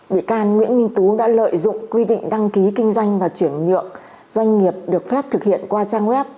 bị can nguyễn minh tú đã lợi dụng quy định đăng ký kinh doanh và chuyển nhượng doanh nghiệp được phép thực hiện qua trang web